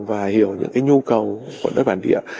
và hiểu những cái nhu cầu của đất bản địa